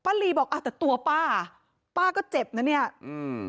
ลีบอกอ่ะแต่ตัวป้าป้าก็เจ็บนะเนี้ยอืม